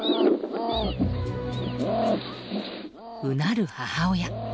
うなる母親。